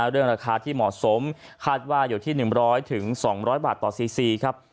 เรื่องราคาที่เหมาะสมคาดว่าอยู่ที่๑๐๐๒๐๐บาทต่อซีซีครับ